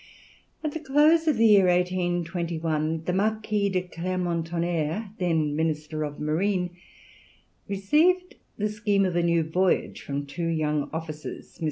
At the close of the year 1821 the Marquis de Clermont Tonnerre, then Minister of Marine, received the scheme of a new voyage from two young officers, MM.